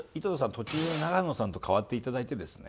途中で永野さんと替わって頂いてですね